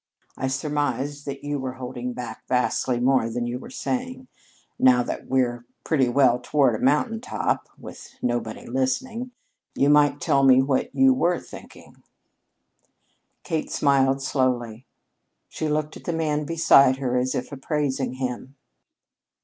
I surmised that you were holding back vastly more than you were saying. Now that we 're pretty well toward a mountain top, with nobody listening, you might tell me what you were thinking." Kate smiled slowly. She looked at the man beside her as if appraising him.